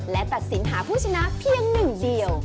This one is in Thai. และตัดสินหาผู้ชนะเพียงหนึ่งเดียว